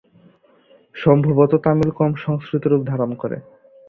সম্ভবত তামিল কম সংস্কৃত রূপ ধারণ করে।